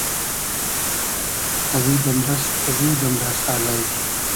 ازی دئمرئس تئزو دئمرئسۂ الݷ